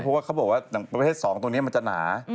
เพราะว่าเขาบอกว่าอย่างประเภท๒ตรงนี้มันจะหนา